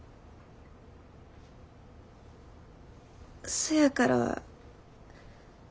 そやから。